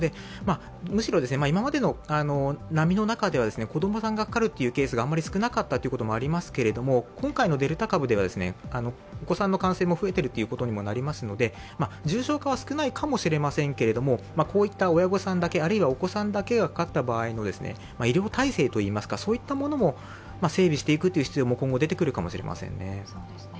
むしろ今までの波の中では子供さんがかかるケースが少なかったこともありますけど、今回のデルタ株では、お子さんの感染が増えてるということにもなりますので重症化は少ないかもしれませんけど、こういった親御さんだけ、あるいはお子さんだけがかかった場合の医療体制、そういったものも整備していく必要も今後、出てくるかもしれませんね。